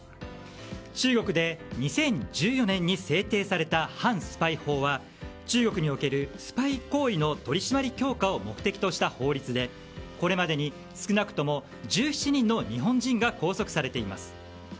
中国で２０１４年に制定された反スパイ法は中国におけるスパイ行為の取り締まり強化を目的とした法律でこれまでに少なくとも１７人の日本人が拘束されています。